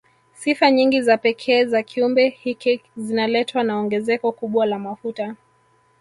Sifa nyingi za pekee za kiumbe hiki zinaletwa na ongezeko kubwa la mafuta